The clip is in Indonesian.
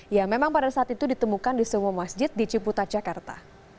yang memang pada saat itu ditemukan di semua masjid di ciputa jakarta